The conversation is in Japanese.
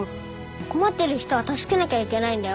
困ってる人は助けなきゃいけないんだよ。